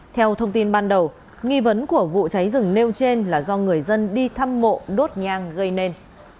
theo thông tin ban đầu nghi vấn của vụ cháy rừng nêu trên là do người dân đi thăm mộ đốt nhang gây nên